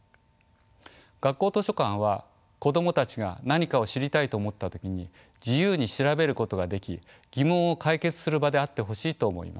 学校図書館は子供たちが何かを知りたいと思った時に自由に調べることができ疑問を解決する場であってほしいと思います。